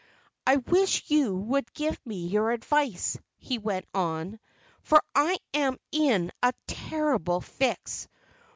"I wish you would give me your advice," he went on, "for I am in a terrible fix.